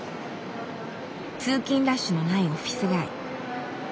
通勤ラッシュのないオフィス街。